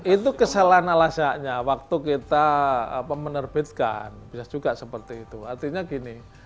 itu kesalahan alasannya waktu kita menerbitkan bisa juga seperti itu artinya gini